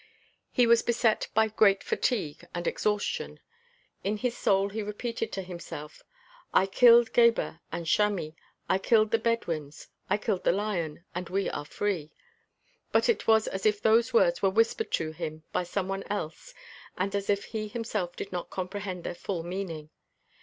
He was beset by great fatigue and exhaustion. In his soul he repeated to himself, "I killed Gebhr and Chamis; I killed the Bedouins; I killed the lion, and we are free." But it was as if those words were whispered to him by some one else and as if he himself did not comprehend their full meaning.